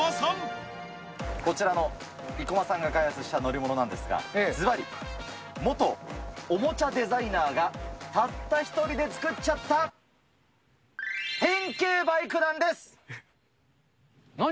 こちらの生駒さんが開発した乗り物なんですが、ずばり、元おもちゃデザイナーがたった１人で作っちゃった変形バイクなん何？